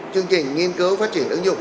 chương trình nghiên cứu phát triển ứng dụng